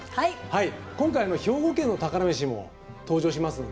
今回兵庫県の宝メシも登場しますので。